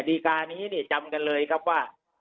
ดีการี่จำเลยนะครับว่า